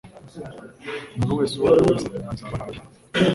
Umuntu wese uwo ari we wese azaba ahari.